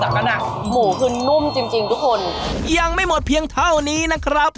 จากนั้นอ่ะหมูคือนุ่มจริงจริงทุกคนยังไม่หมดเพียงเท่านี้นะครับ